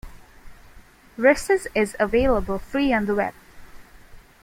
"Risus" is available free on the web.